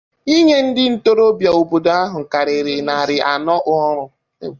inye ndị ntorobịa obodo ahụ karịrị narị anọ ọrụ